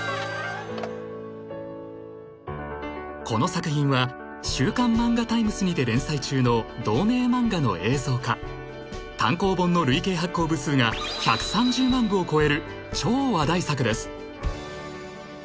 この作品は「週刊漫画ＴＩＭＥＳ」にて連載中の同名漫画の映像化単行本の累計発行部数が１３０万部を超える超話題作です